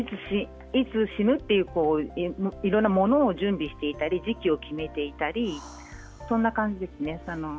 いつ死ぬといろいろなものを準備していたり時期を決めていたりそんな感じですね。